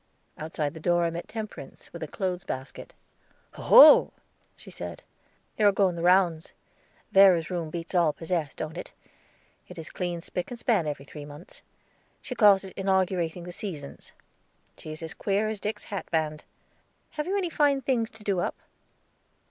Outside the door I met Temperance, with a clothes basket. "Oh ho!" she said, "you are going the rounds. Verry's room beats all possessed, don't it? It is cleaned spick and span every three months. She calls it inaugurating the seasons. She is as queer as Dick's hatband. Have you any fine things to do up?"